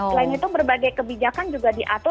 selain itu berbagai kebijakan juga diatur